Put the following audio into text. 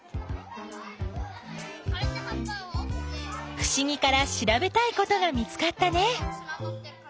ふしぎからしらべたいことが見つかったね。